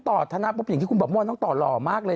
ขอมอบแต่กลุ่มน้องตอหล่อมากเลย